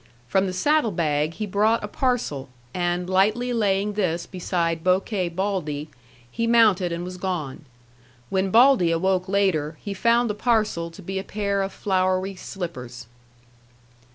From the saddle bag, he brought a parcel, and lightly laying this beside Bokay Baldy, he mounted and was gone. When Baldy awoke later, he found the parcel to be a pair of flowery slippers.